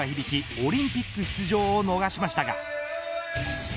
オリンピック出場を逃しましたが。